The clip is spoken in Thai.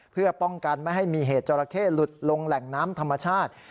เพื่อป้องกันไม่ให้มีเหตุจราเข้หลุดลงแหล่งน้ำธรรมชาติ